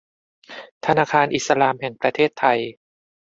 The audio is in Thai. ธนาคารอิสลามแห่งประเทศไทย